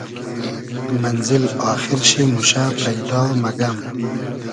مئنزیل آخیر شی موشۂ پݷدا مئگئم